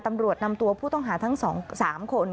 ตำรวจนำตัวผู้ต้องหาทั้ง๒๓คน